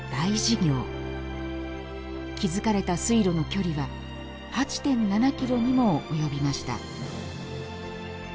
築かれた水路の距離は８．７キロにも及びました。